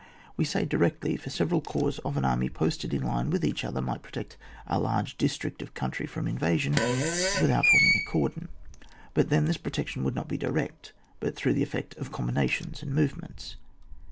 We say directly, for several corps of a great army posted in line with each other might protect a large district of country from invasion without forming a cordon ; but then this protection would not be direct, but through the effect of combinations and movements.